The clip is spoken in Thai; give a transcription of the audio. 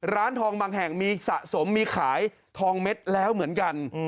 ร้านทองบางแห่งมีสะสมมีขายทองเม็ดแล้วเหมือนกัน